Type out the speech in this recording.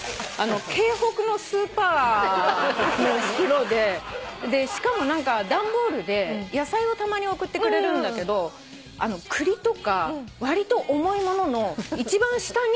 京北のスーパーの袋でしかも何か段ボールで野菜をたまに送ってくれるんだけどあの栗とかわりと重いものの一番下に。